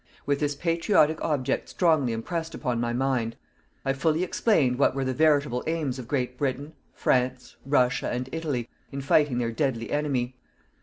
With this patriotic object strongly impressed upon my mind, I fully explained what were the veritable aims of Great Britain, France, Russia and Italy, in fighting their deadly enemy.